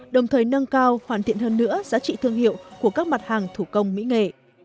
đồng thời nâng cao hoàn thiện hơn nữa giá trị thương hiệu của các mặt hàng thủ công mỹ nghệ